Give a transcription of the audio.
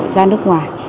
ra nước ngoài